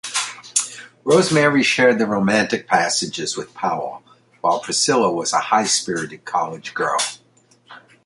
Rosemary shared the romantic passages with Powell, while Priscilla was a high-spirited college girl.